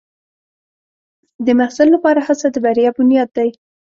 د محصل لپاره هڅه د بریا بنیاد دی.